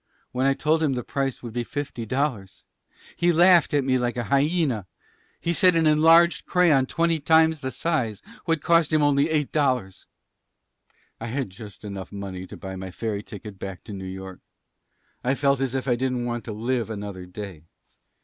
When I told him the price would be fifty dollars he laughed at me like a hyena. He said an enlarged crayon twenty times the size would cost him only eight dollars. "I had just enough money to buy my ferry ticket back to New York. I felt as if I didn't want to live another day.